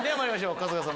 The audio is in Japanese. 春日！